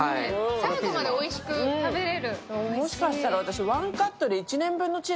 最後までおいしく食べれる。